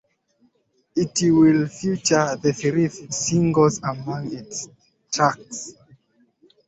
It will feature the three singles among its tracks.